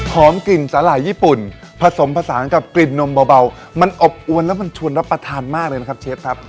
กลิ่นสาหร่ายญี่ปุ่นผสมผสานกับกลิ่นนมเบามันอบอวนแล้วมันชวนรับประทานมากเลยนะครับเชฟครับ